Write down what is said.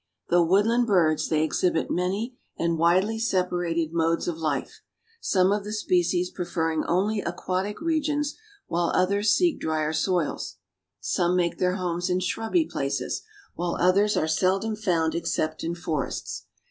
Though woodland birds they exhibit many and widely separated modes of life, some of the species preferring only aquatic regions, while others seek drier soils. Some make their homes in shrubby places, while others are seldom found except in forests.